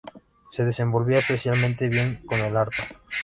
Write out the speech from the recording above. Se desenvolvía especialmente bien con el arpa.